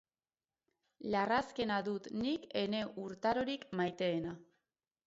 Larrazkena dut nik ene urtarorik maiteena.